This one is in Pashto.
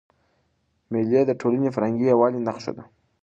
مېلې د ټولني د فرهنګي یووالي نخښه ده.